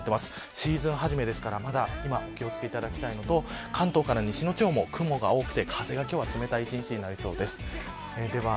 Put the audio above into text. シーズン初めなのでお気を付けいただきたいのと関東から西の地方も風が冷たく風が冷たい一日になりそうです。